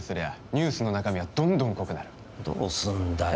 ニュースの中身はどんどん濃くなるどうすんだよ